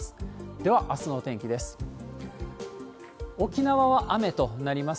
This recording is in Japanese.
では、あすのお天気です。